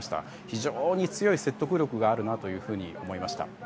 非常に強い説得力があるなと思いました。